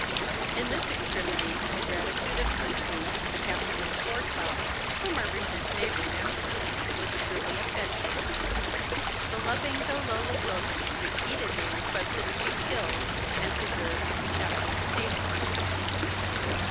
In this extremity, the gratitude of Boozey, the captain of the foretop, whom our readers may remember, was truly affecting. The loving though lowly William repeatedly requested to be killed, and preserved for the captain's table.